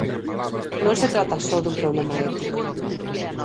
Non se trata só dun problema ético.